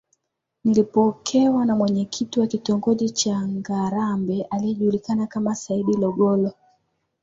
nilipokewa na Mwenyekiti wa Kitongoji cha Ngarambe aliejulikana kama Saidi Logolo